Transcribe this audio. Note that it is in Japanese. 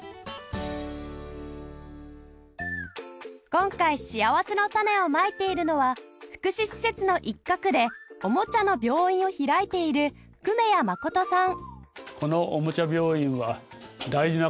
今回しあわせのたねをまいているのは福祉施設の一角でおもちゃの病院を開いている粂谷誠さん